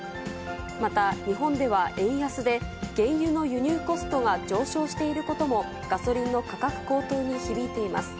また、日本では円安で、原油の輸入コストが上昇していることも、ガソリンの価格高騰に響いています。